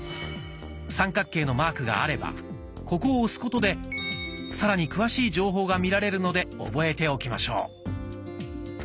三角形のマークがあればここを押すことでさらに詳しい情報が見られるので覚えておきましょう。